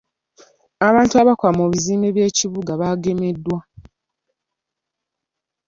Abantu abakola mu bizimbe by'ekibuga bagemeddwa.